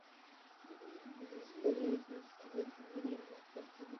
জেলার রাজধানী শহরের নাম হচ্ছে সাং-ই-মাশা।